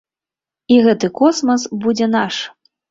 І гэты космас будзе наш!